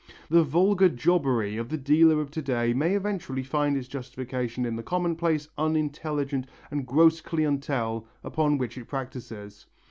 The vulgar jobbery of the dealer of to day may eventually find its justification in the commonplace, unintelligent and gross clientele upon which it practises.